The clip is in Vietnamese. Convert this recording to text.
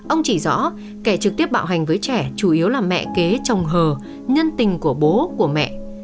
ông chỉ rõ kẻ trực tiếp bạo hành với trẻ chủ yếu là mẹ kế chồng hờ nhân tình của bố của mẹ